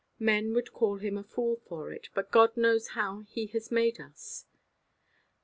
Men would call him a fool for it. But God knows how He has made us.